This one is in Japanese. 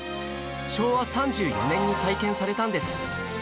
昭和３４年に再建されたんです